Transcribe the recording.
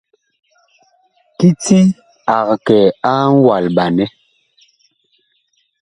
Kiti ag kɛ a ŋwalɓanɛ.